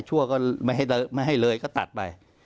ชั่วก็ไม่ให้เลยก็ตัดไป